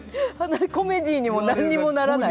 コメディーにも何にもならない。